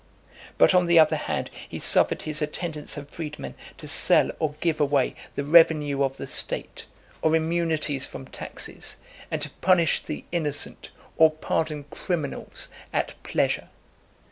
But on the other hand, he suffered his attendants and freedmen to sell or give away the revenue of the state, or immunities from taxes, and to punish the innocent, or pardon criminals, at pleasure.